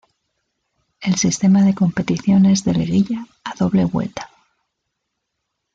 El sistema de competición es de liguilla a doble vuelta.